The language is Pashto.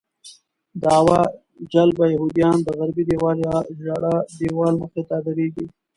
دعوه جلبه یهودیان د غربي دیوال یا ژړا دیوال مخې ته درېږي.